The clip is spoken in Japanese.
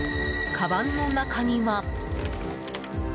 かばんの中には。